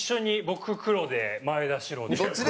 僕黒で前田白で。